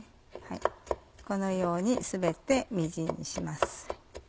このように全てみじんにします。